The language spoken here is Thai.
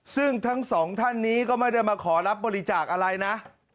ซึ่งทั้งสองท่านนี้ก็ไม่ได้มาขอรับบริจาคอะไรนะ